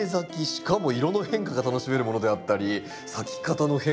しかも色の変化が楽しめるものであったり咲き方の変化もあったり。